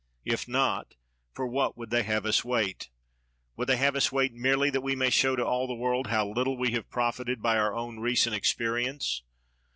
If not, for what would they have us wait ? Would they have us wait merely that we may show to all the world how little we have profited by our own recent experience?